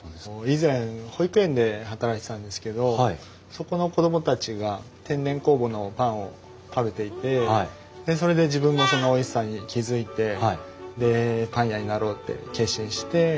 以前保育園で働いてたんですけどそこの子供たちが天然酵母のパンを食べていてそれで自分もそのおいしさに気付いてでパン屋になろうって決心して。